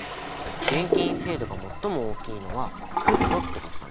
電気陰性度が最も大きいのはフッ素ってことだね。